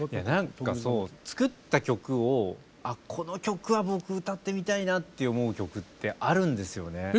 何かそう作った曲をあっこの曲は僕歌ってみたいなって思う曲ってあるんですよね。